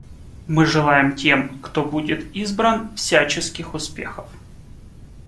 Мы желаем тем, кто будет избран, всяческих успехов.